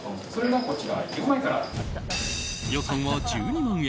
予算は１２万円。